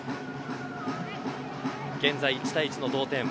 現在、１対１の同点。